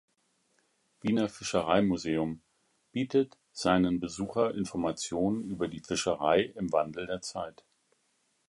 Wiener Fischereimuseum“ bietet seinen Besucher Informationen über die Fischerei im Wandel der Zeit.